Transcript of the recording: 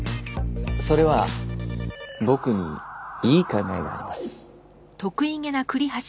それは僕にいい考えがあります。